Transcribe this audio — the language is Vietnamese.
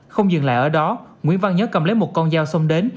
không dừng lại ở đó nguyễn văn nhớ cầm lấy một con dao xông đến